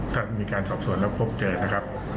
ถ้ามีการสอบสวนแล้วพบเจอนะครับ